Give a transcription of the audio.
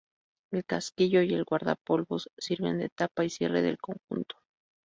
El casquillo y el guardapolvos sirven de tapa y cierre del conjunto.